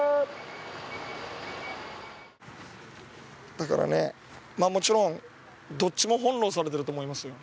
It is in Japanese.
だからね、もちろんどっちも翻弄されてると思いますよ。